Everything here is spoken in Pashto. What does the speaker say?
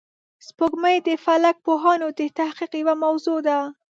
سپوږمۍ د فلک پوهانو د تحقیق یوه موضوع ده